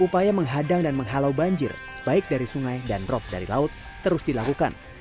upaya menghadang dan menghalau banjir baik dari sungai dan rop dari laut terus dilakukan